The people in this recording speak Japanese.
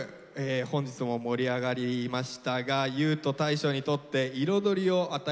本日も盛り上がりましたが優斗大昇にとって彩りを与えてくれるもの